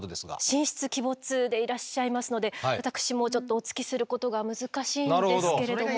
神出鬼没でいらっしゃいますので私もちょっとお付きすることが難しいんですけれども。